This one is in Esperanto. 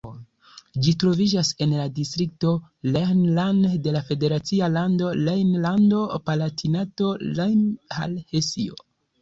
Ĝi troviĝas en la distrikto Rhein-Lahn de la federacia lando Rejnlando-Palatinato, lime al Hesio.